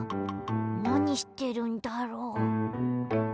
なにしてるんだろ？